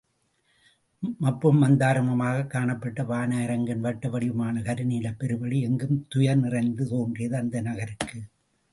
மப்பும் மந்தாரமுமாகக் காணப்பட்ட வான அரங்கின் வட்டவடிவமான கருநீலப் பெருவெளி எங்கும் துயர் நிறைந்து தோன்றியது, அந்த நகருக்கு.